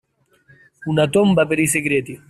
Una tomba per i segreti.